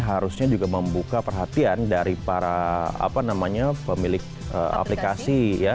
ini harusnya juga membuka perhatian dari para pemilik aplikasi